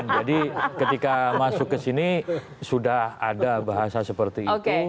jadi ketika masuk ke sini sudah ada bahasa seperti itu